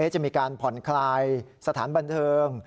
จะมีการผ่อนคลายสถานบันเทิง